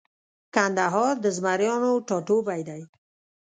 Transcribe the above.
کندهار د زمریانو ټاټوبۍ دی